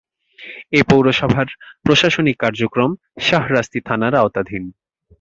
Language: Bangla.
এ পৌরসভার প্রশাসনিক কার্যক্রম শাহরাস্তি থানার আওতাধীন।